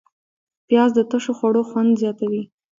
پیاز د تشو خوړو خوند زیاتوي